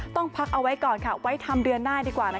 ต้องพักเอาไว้ก่อนค่ะไว้ทำเดือนหน้าดีกว่า